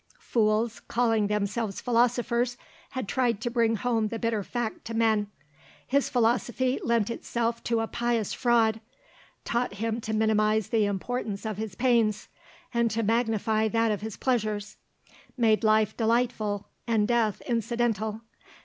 Fools, calling themselves philosophers, had tried to bring home the bitter fact to men. His philosophy lent itself to a pious fraud taught him to minimise the importance of his pains, and to magnify that of his pleasures; made life delightful and death incidental.